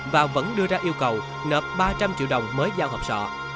và vẫn đưa ra yêu cầu nợ ba trăm linh triệu đồng mới giao học sọ